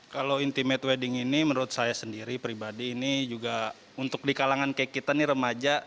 kalau intimate wedding ini menurut saya sendiri pribadi ini juga untuk di kalangan kayak kita nih remaja